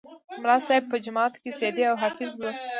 ملا صیب به جومات کې سعدي او حافظ لوست.